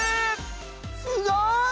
すごい！